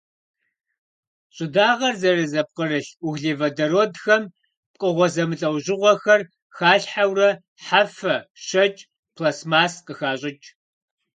Щӏыдагъэр зэрызэпкърылъ углеводородхэм пкъыгъуэ зэмылӏэужьыгъуэхэр халъхьэурэ хьэфэ, щэкӏ, пластмасс къыхащӏыкӏ.